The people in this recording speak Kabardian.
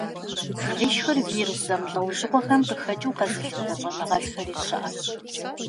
Лышхыр вирус зэмылӀэужьыгъуэхэм къыхэкӀыу къэзылъытэ щӀэныгъэлӀхэри щыӀэщ.